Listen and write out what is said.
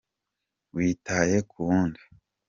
witaye ku wundi